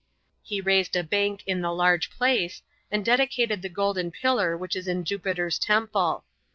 He raised a bank in the large place, and dedicated the golden pillar which is in Jupiter's temple.